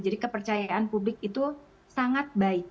jadi kepercayaan publik itu sangat baik